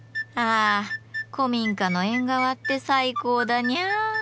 あ古民家の縁側って最高だニャー。